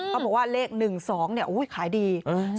เขาบอกว่าเลข๑๒ขายดี